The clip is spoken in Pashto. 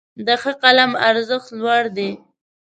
د ښه قلم ارزښت لوړ دی.